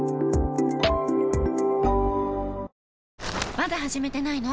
まだ始めてないの？